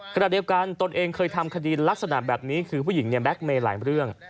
ขณะเดียวกันตนเองเคยทำคดีลักษณะแบบนี้คือผู้หญิงเนี่ยแก๊กเมย์หลายเรื่อง